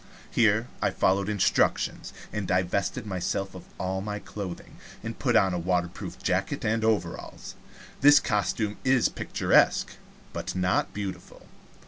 Here I followed instructions, and divested myself of all my clothing, and put on a waterproof jacket and overalls. This costume is picturesque, but not beautiful.